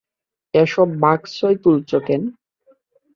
এ-সব বাক্সয় তুলেছ কেন?